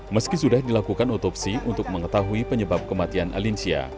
meski sudah dilakukan otopsi untuk mengetahui penyebabnya